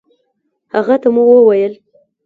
هغه ته مو وويل